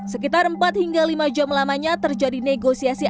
sekitar empat hingga lima jam lamanya terjadi negosiasi